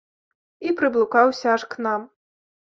І прыблукаўся аж к нам.